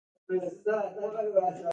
د کتاب حجم نسبتاً ډېر او ګټور دی.